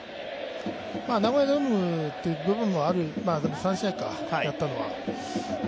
ナゴヤドームっていう部分もでも３試合か、やったのは。